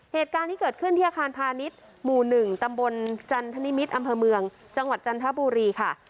เหตุการณ์ที่เกิดขึ้นที่อาคารพาณิชย์หมู่๑ตำบลจันทนิมิตรอำเภอเมืองจังหวัดจันทบุรีค่ะ